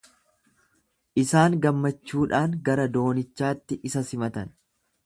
Isaan gammachuudhaan gara doonichaatti isa simatan.